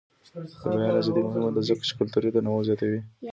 د بیان ازادي مهمه ده ځکه چې کلتوري تنوع زیاتوي.